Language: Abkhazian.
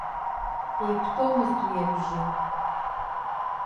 Еиқәтәомызт уи абжьы.